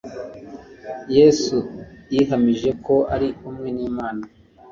Yesu yihamije ko ari umwe n'Imana.